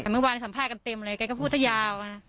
เมื่อวานสัมภาษณ์กันเต็มเลยกันก็พูดเยาว์